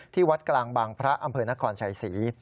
วัดกลางบางพระอำเภอนครชัยศรี